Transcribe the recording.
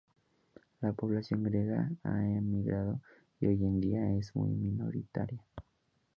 La población griega ha emigrado y hoy en día es muy minoritaria.